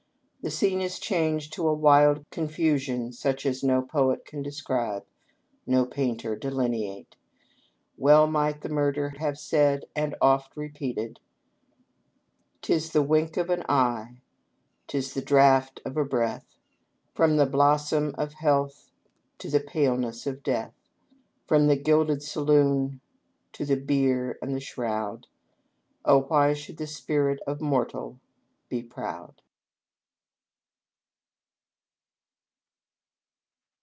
The scene is changed to a wild confusion such as no poet can describe, no painter delineate. Well might the mur dered have said and oft repeated :'* 'Tis the wink of an eye, 'tis the draught of a breath. From the blossom of health to the paleness of death, From the gilded saloon to the bier and the shroud, — Oh, why should the spirit of mortal be proud